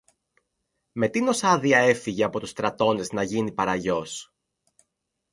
Με τίνος άδεια έφυγε από τους στρατώνες να γίνει παραγιός;